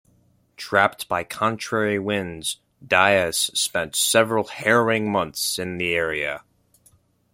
Trapped by contrary winds, Dias spent several harrowing months in the area.